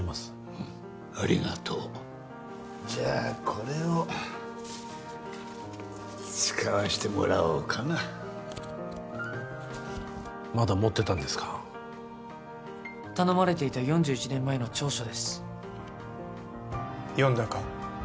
うんありがとうじゃあこれを使わせてもらおうかなまだ持ってたんですか頼まれていた４１年前の調書です読んだか？